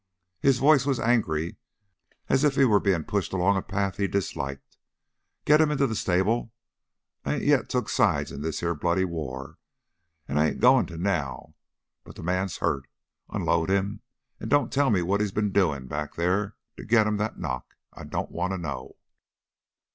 His voice was angry, as if he were being pushed along a path he disliked. "Get him into the stable. I ain't yet took sides in this here bloody war, and I ain't going to now. But the man's hurt. Unload him and don't tell me what he's been doing back there to get him that knock. I don't want to know."